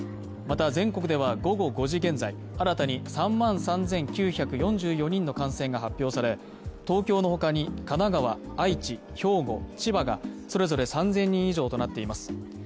また全国では午後５時現在新たに３万３９４４人の感染が発表され東京の他に神奈川、愛知、兵庫、千葉がそれぞれ３０００人以上となっています。